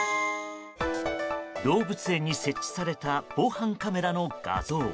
動物園に設置された防犯カメラの画像。